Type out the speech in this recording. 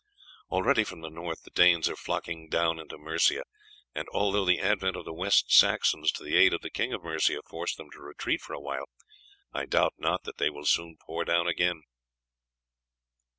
Already from the north the Danes are flocking down into Mercia, and although the advent of the West Saxons to the aid of the King of Mercia forced them to retreat for a while, I doubt not that they will soon pour down again."